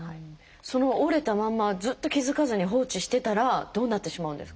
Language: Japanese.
その折れたまんまずっと気付かずに放置してたらどうなってしまうんですか？